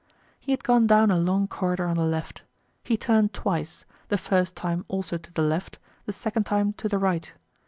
He had gone down a long corridor on the left. He turned twice, the first time also to the left, the second time to the right.